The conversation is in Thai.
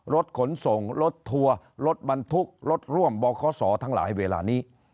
รถขนส่งรถทัวร์รถบรรทุกรถร่วมบขศทั้งหลายเวลานี้